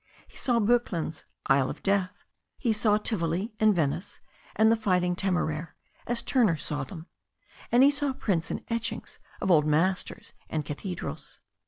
He saw Boeklin's ''Isle of Death." He saw "Tivoli" and "Venice" and "The Fight ing Temeraire" as Turner saw them. And he saw prints and etchings of old masters and cathedrals.